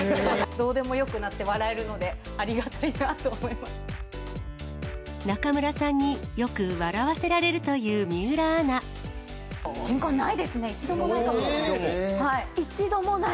どうでもよくなって笑えるので、中村さんによく笑わせられるけんかはないですね、一度も一度もない？